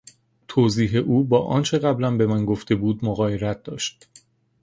توضیح او با آنچه قبلا به من گفته بود مغایرت داشت.